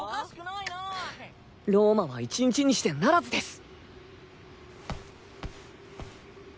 ローマは１日にしてならずです！